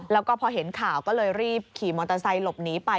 แล้วก็พอเห็นข่าวก็เลยรีบขี่มอเตอร์ไซค์หลบหนีไป